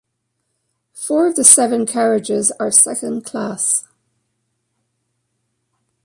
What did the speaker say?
Four of the seven carriages are second class.